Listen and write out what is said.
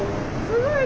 すごい。